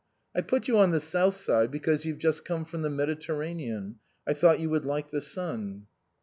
" I put you on the south side because you've just come from the Mediter ranean ; I thought you would like the sun."